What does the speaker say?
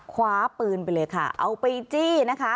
คว้าปืนไปเลยค่ะเอาไปจี้นะคะ